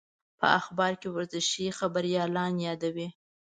په اخبار کې ورزشي خبریالان یادېدو.